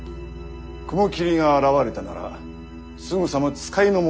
雲霧が現れたならすぐさま使いの者をよこせ。